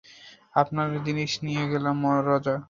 আপনার জিনিস দিয়ে দিলাম, রজ!